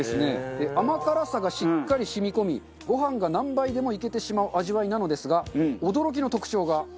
甘辛さがしっかり染み込みご飯が何杯でもいけてしまう味わいなのですが驚きの特徴が。